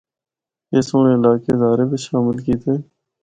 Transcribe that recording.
اس سنڑ اے علاقے ہزارے بچ شامل کیتے۔